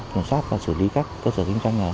sửa sát và xử lý các cơ sở kinh doanh